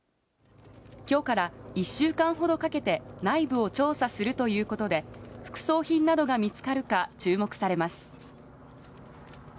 きょうから１週間ほどかけて、内部を調査するということで、副葬品などが見つかるか、注目されます。